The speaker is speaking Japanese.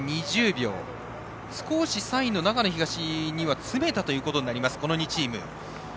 少し３位の長野東には詰めたということになる２チーム。